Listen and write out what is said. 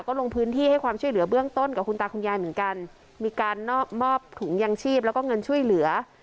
ก็ลงพื้นที่ให้ความช่วยเหลือเบื้องต้นกับคุณตาคุณยายเหมือนกันมีการมอบถุงยางชีพแล้วก็เงินช่วยเหลือ